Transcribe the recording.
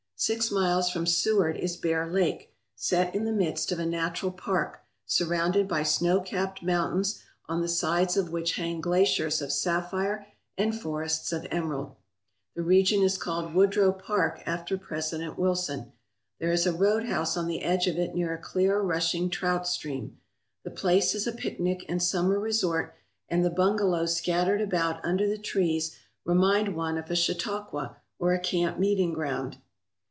Six miles from Seward is Bear Lake, set in the midst of a natural park surrounded by snow capped mountains on the sides of which hang glaciers of sapphire and forests of emerald. The region is called Woodrow Park after President Wilson. There is a roadhouse on the edge of it near a clear, rushing trout stream. The place is a picnic and summer resort and the bungalows scattered about under the trees remind one of a Chautauqua or a camp meeting ground.